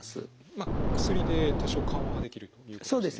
ま薬で多少緩和ができるということですね。